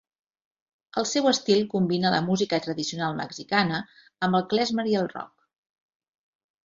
El seu estil combina la música tradicional mexicana amb el klezmer i el rock.